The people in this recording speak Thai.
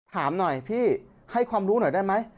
ถามหน่อยพี่ให้ความรู้หน่อยได้ไหม